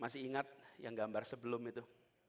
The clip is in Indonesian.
masih ingat yang gambar sebelum itu